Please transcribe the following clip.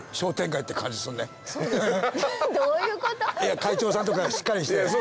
会長さんとかしっかりして。